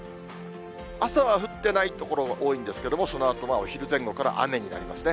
朝は降ってない所、多いんですけども、そのあとはお昼前後から雨になりますね。